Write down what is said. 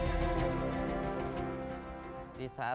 ketika saya di jepang saya menemukan pertemuan kecewa terhadap kami